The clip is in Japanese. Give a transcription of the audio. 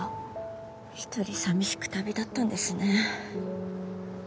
一人寂しく旅立ったんですね。